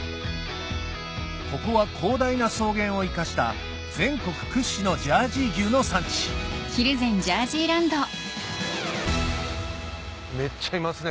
ここは広大な草原を生かした全国屈指のジャージー牛の産地めっちゃいますね。